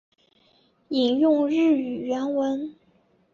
引用日语原文